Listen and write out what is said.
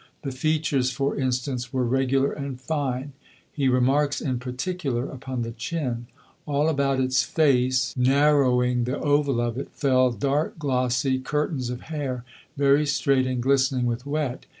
The features, for instance, were regular and fine. He remarks in particular upon the chin. All about its face, narrowing the oval of it, fell dark glossy curtains of hair, very straight and glistening with wet.